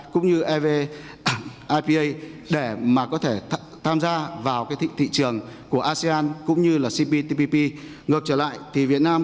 cũng như evipa để có thể tham gia vào thị trường của asean cũng như cptpp ngược trở lại thì việt nam